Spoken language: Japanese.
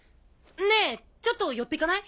ねぇちょっと寄って行かない？